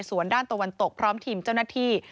ส่วนด้านตะวันตกพร้อมทีมเจ้าหน้าที่